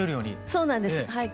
そうなんですはい。